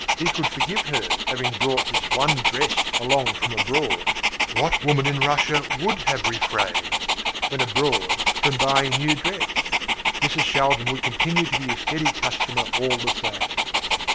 He could forgive her having brought this one dress along from abroad. What woman in Russia would have refrained, when abroad, from buying a new dress? Mrs. Shaldin would continue to be his steady customer all the same.